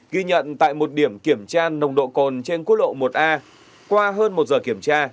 ghi nhận tại một điểm kiểm tra nồng độ cồn trên quốc lộ một a qua hơn một giờ kiểm tra